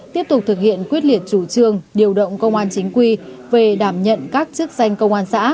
tiếp tục thực hiện quyết liệt chủ trương điều động công an chính quy về đảm nhận các chức danh công an xã